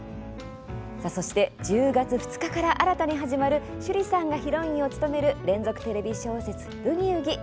そして、１０月２日から趣里さんがヒロインを務める新たに始まる連続テレビ小説「ブギウギ」。